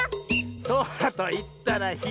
「そらといったらひろい！」